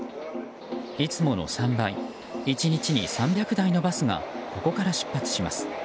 いつもの３倍１日に３００台のバスがここから出発します。